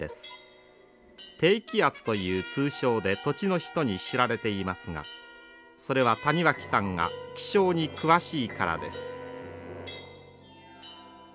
低気圧という通称で土地の人に知られていますがそれは谷脇さんが気象に詳しいからです。